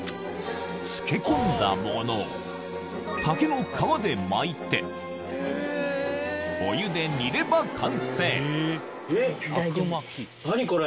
漬け込んだものを竹の皮で巻いてお湯で煮れば完成えっ何これ？